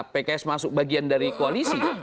pks masuk bagian dari koalisi